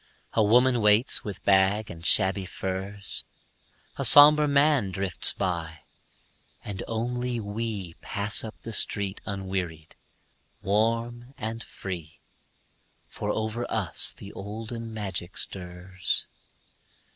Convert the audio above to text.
A woman waits with bag and shabby furs, A somber man drifts by, and only we Pass up the street unwearied, warm and free, For over us the olden magic stirs.